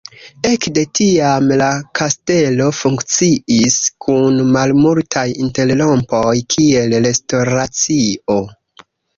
Ekde tiam la kastelo funkciis, kun malmultaj interrompoj, kiel restoracio.